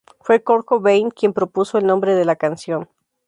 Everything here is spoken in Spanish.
Fue Kurt Cobain quien propuso el nombre de la canción.